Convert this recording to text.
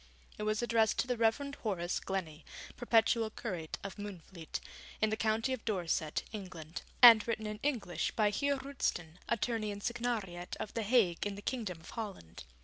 It was addressed to the Reverend Horace Glennie, Perpetual Curate of Moonfleet, in the County of Dorset, England, and written in English by Heer Roosten, Attorney and Signariat of the Hague in the Kingdom of Holland.